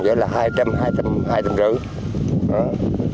nó nuôi một lồng là hai trăm linh hai trăm năm mươi